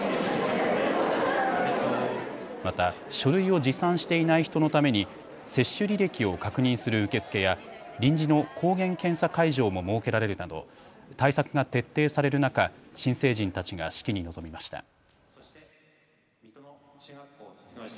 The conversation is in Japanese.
また、書類を持参していない人のために接種履歴を確認する受付や臨時の抗原検査会場も設けられるなど対策が徹底される中、新成人たちが式に臨みました。